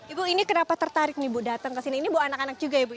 ibu ini kenapa tertarik nih bu datang ke sini ini bawa anak anak juga ya bu